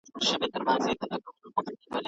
په شتمنۍ کي د نورو حق پیژنئ.